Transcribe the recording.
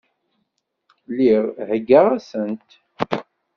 Lliɣ heggaɣ-asent.